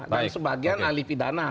dan sebagian ahli pidana